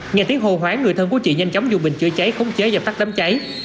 nghe tiếng hồ hoáng người thân của chị nhanh chóng dùng bình chữa cháy khống chế và tắt đấm cháy